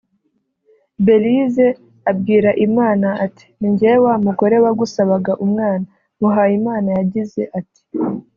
Belise abwira Imana ati “Ni njyewe wa mugore wagusabaga umwana” Muhayimana yagize ati